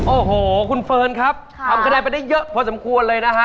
โอ้โหคุณเฟิร์นครับทำคะแนนไปได้เยอะพอสมควรเลยนะฮะ